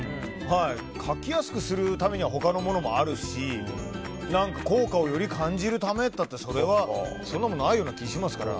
かきやすくするためには他のものもあるし効果をより感じるためっていったってそんなことないような気がしますから。